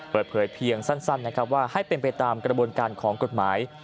เปิดเผยเพียงสั้นนะครับว่าให้เป็นไปตามกระบวนการของกฎหมาย